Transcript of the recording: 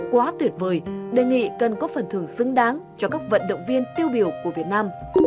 quá tuyệt vời đề nghị cần có phần thưởng xứng đáng cho các vận động viên tiêu biểu của việt nam